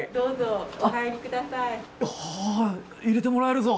すごい！入れてもらえるぞ。